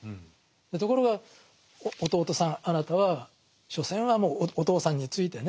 ところが弟さんあなたは所詮はもうお父さんについてね